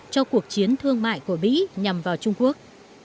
cho cuộc chiến thương mại của mỹ nhằm vào trung quốc